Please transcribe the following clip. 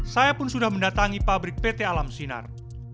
saya pun sudah mendatangi pabrik pt alam sinar